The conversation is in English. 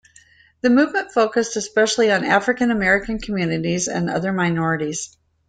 The movement focused especially on African American communities and other minorities.